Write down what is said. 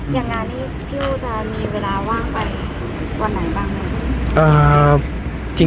งานนี้พี่จะมีเวลาว่างไปวันไหนบ้างครับ